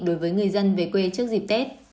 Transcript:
đối với người dân về quê trước dịp tết